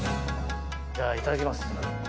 じゃあ、いただきます。